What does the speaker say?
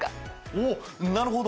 おおなるほど。